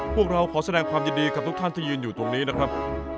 พวกเราขอแสดงความยินดีกับทุกท่านที่ยืนอยู่ตรงนี้นะครับ